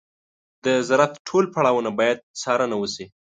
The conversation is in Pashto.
د زراعت ټول پړاوونه باید څارنه وشي.